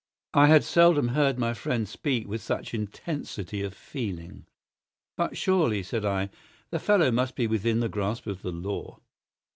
I had seldom heard my friend speak with such intensity of feeling. "But surely," said I, "the fellow must be within the grasp of the law?"